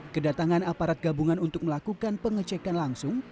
kedatangan aparat gabungan untuk melakukan pengecekan langsung